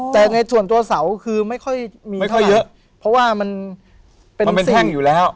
แต่ในส่วนตัวเสาคือไม่ค่อยมีไม่ค่อยเยอะเพราะว่ามันเป็นแท่งอยู่แล้ว